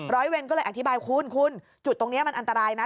ร้อยเวรก็เลยอธิบายคุณคุณจุดตรงนี้มันอันตรายนะ